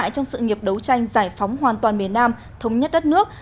trong sự nghiệp đấu tranh giải phóng hoàn toàn miền nam thống nhất đất nước